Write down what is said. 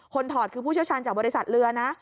ถอดคือผู้เชี่ยวชาญจากบริษัทเรือนะ